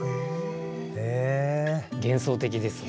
幻想的ですね。